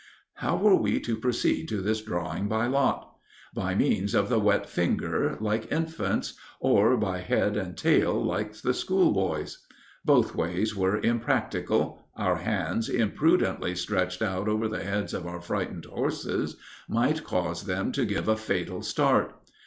"How were we to proceed to this drawing by lot? By means of the wet finger, like infants; or by head and tail, like the school boys? Both ways were impracticable. Our hands imprudently stretched out over the heads of our frightened horses, might cause them to give a fatal start.